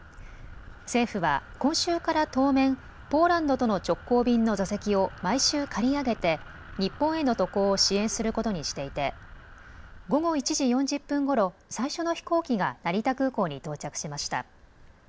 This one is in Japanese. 政府は今週から当面、ポーランドとの直行便の座席を毎週、借り上げて日本への渡航を支援することにしていて午後１時４０分ごろ、最初の飛行機が成田空港に到着しました。